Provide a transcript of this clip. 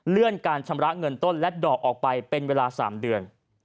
การชำระเงินต้นและดอกออกไปเป็นเวลา๓เดือน